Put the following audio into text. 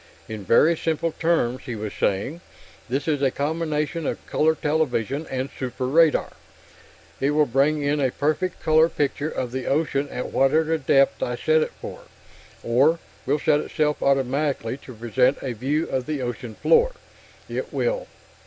"In very simple terms," he was saying, "this is a combination of color television and super radar. It will bring in a perfect color picture of the ocean at whatever depth I set it for, or will set itself automatically to present a view of the ocean floor. It will...."